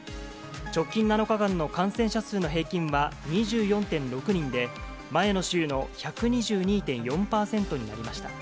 直近７日間の感染者数の平均は２４．６人で、前の週の１２２．４％になりました。